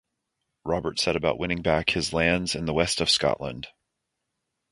Robert set about winning back his lands in the west of Scotland.